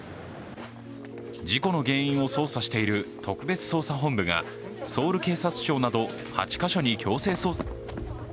事故の原因を捜査している特別捜査本部がソウル警察庁など８か所に強制捜索。